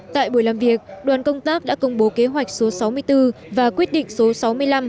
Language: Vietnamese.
tại buổi làm việc đoàn công tác đã công bố kế hoạch số sáu mươi bốn và quyết định số sáu mươi năm